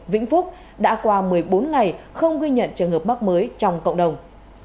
vĩnh phúc đã qua một mươi bốn ngày không ghi nhận trường hợp mắc mới trong cộng đồng